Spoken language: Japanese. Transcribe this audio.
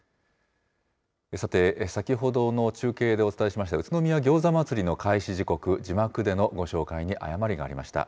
さて、先ほどの中継でお伝えしました、宇都宮餃子祭りの開始時刻、字幕での紹介に誤りがありました。